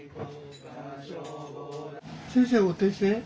先生お手製？